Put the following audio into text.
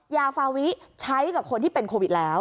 ยาฟาวิใช้กับคนที่เป็นโควิดแล้ว